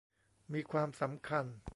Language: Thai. มีความสำคัญ